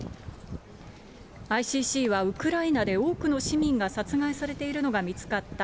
ＩＣＣはウクライナで多くの市民が殺害されているのが見つかった